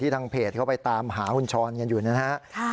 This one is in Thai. ทางเพจเขาไปตามหาคุณช้อนกันอยู่นะฮะ